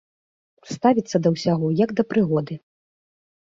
Ставіцца да ўсяго як да прыгоды.